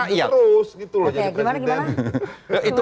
jangan langsung lagi terus gitu loh jadi presiden